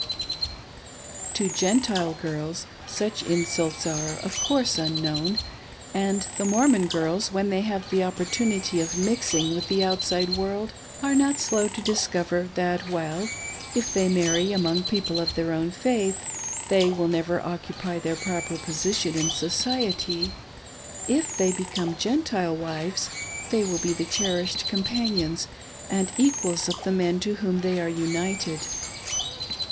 To Gentile girls such insults are of course, unknown, and the Mormon girls, when they have the opportunity of mixing with the outside world, are not slow to discover that while, if they marry among people of their own faith, they will never occupy their proper position in society, if they become Gentile wives they will be the cherished companions and equals of the men to whom they are united.